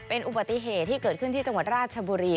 เป็นอุบัติเหตุที่เกิดขึ้นที่จังหวัดราชบุรี